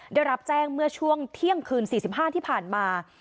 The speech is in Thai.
ได้รับแจ้งเมื่อช่วงเที่ยงคืน๔๕ที่ผ่านมา